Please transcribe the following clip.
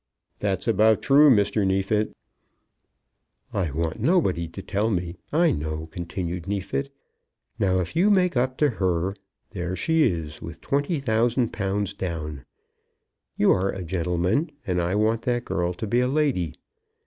"That's about true, Mr. Neefit." "I want nobody to tell me; I know," continued Neefit. "Now if you make up to her, there she is, with twenty thousand pounds down. You are a gentleman, and I want that girl to be a lady.